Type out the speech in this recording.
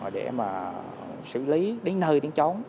để mà xử lý đến nơi đến chống